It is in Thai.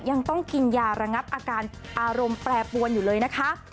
ยังต้องกินยาระงับอาการอารมณ์แปรปวนอยู่เลยนะคะ